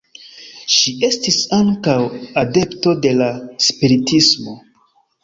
Ŝi estis ankaŭ adepto de la spiritismo.